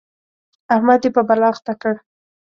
احمد يې په بلا اخته کړ.